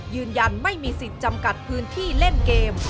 ยืนยันไม่มีสิทธิ์จำกัดพื้นที่เล่นเกม